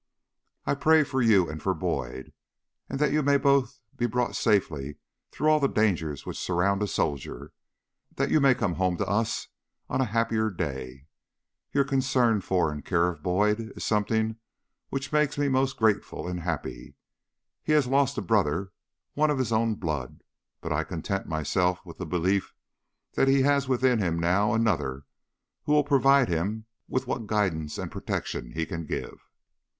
I pray for you and for Boyd, that you may both be brought safely through all the dangers which surround a soldier, that you may come home to us on a happier day. Your concern for and care of Boyd is something which makes me most grateful and happy. He had lost a brother, one of his own blood, but I content myself with the belief that he has with him now another who will provide him with what guidance and protection he can give.